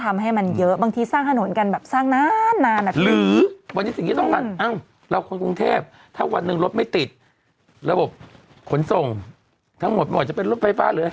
อันนี้ก็เป็นต้นไม้